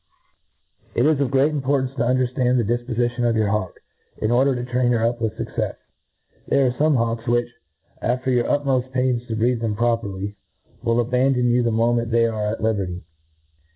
^ IT is of great importafice to underiland the difpofition of your hawk, in order to train her up ^th fucccfs. There are feme hawks which, after your utmoft pains to breed them properly^will a bandon you the moment they arc at liberty.